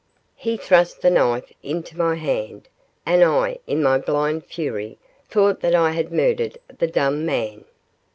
He thrust the knife into my hand, and I, in my blind fury, thought that I had murdered the dumb man.